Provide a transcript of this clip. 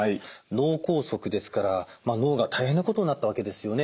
脳梗塞ですから脳が大変なことになったわけですよね。